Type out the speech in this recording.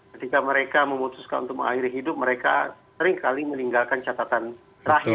ketika mereka memutuskan untuk mengakhiri hidup mereka seringkali meninggalkan catatan terakhir